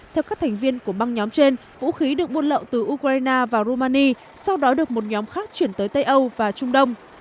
theo các thành viên của băng nhóm trên vũ khí được buôn lậu từ ukraine vào rumania sau đó được một nhóm khác chuyển tới tây âu và trung đông